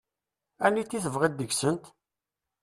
Anita i tebɣiḍ deg-sent?